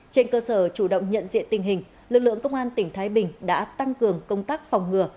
trên cơ sở chủ động nhận diện tình hình lực lượng công an tỉnh thái bình đã tăng cường công tác phòng ngừa